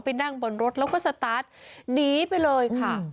นั่งบนรถแล้วก็สตาร์ทหนีไปเลยค่ะ